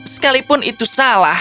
sekalipun itu salah